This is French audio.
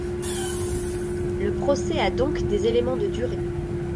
Le procès a donc des éléments de durée.